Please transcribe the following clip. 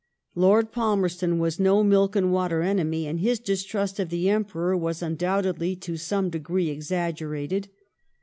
Lord Palmerston was no milk and water enemy, and his distrust of the Emperor was undoubtedly to some degree exaggerated.